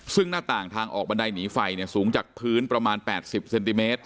ซึ่งหน้าต่างทางออกบันไดหนีไฟสูงจากพื้นประมาณ๘๐เซนติเมตร